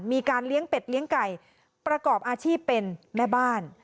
มีการเลี้ยงเป็ดเลี้ยงไก่ประกอบอาชีพเป็นแม่บ้าน